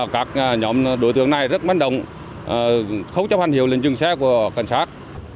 các nhóm đối tượng này rất bán động không chấp hành hiệu lên dừng xe của cảnh sát